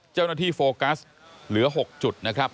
เจ้าหน้าที่โฟกัสเหลือ๖จุดนะครับ